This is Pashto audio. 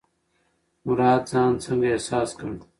مراد ځان څنګه احساس کړ؟